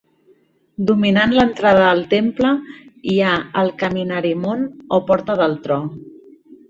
Dominant l'entrada al temple hi ha el Kaminarimon o "Porta del tro".